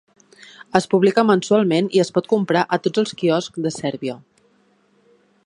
Es publica mensualment i es pot comprar a tots els quioscs de Sèrbia.